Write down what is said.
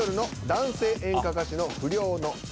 「男性演歌歌手の」「不良の」。